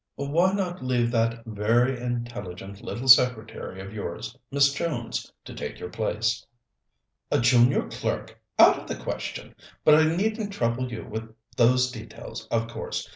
"Why not leave that very intelligent little secretary of yours, Miss Jones, to take your place?" "A junior clerk? Out of the question. But I needn't trouble you with those details, of course.